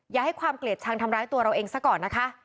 อย่าให้ความเกลียดชังทำร้ายตัวเราเองซะก่อนนะคะ